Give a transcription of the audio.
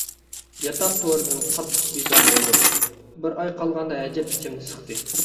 ياتاق تورىدىن قاتتىق بىزار بولدۇم. بىر ئاي قالغاندا ئەجەب ئىچىمنى سىقتى.